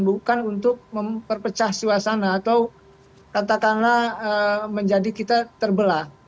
bukan untuk memperpecah suasana atau katakanlah menjadi kita terbelah